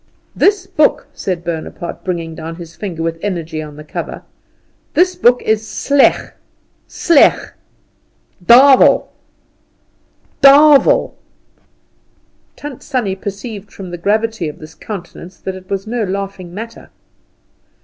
"This book," said Bonaparte, bringing down his finger with energy on the cover, "this book is sleg, sleg, Davel, Davel!" Tant Sannie perceived from the gravity of his countenance that it was no laughing matter.